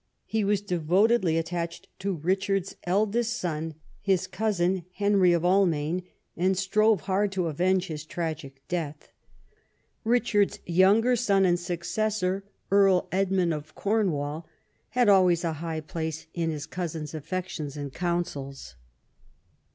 He Avas devotedly attached to Richard's eldest son, his cousin, Henry of Almaine, and strove hard to avenge his tragic death. Richard's younger son and successor. Earl Edmund of Cornwall, had always a high place in his cousin's affections and counsels.